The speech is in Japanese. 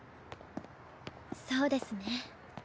そうですね